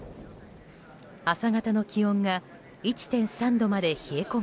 朝方の気温が１．３度まで冷え込む